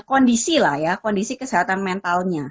kondisi lah ya kondisi kesehatan mentalnya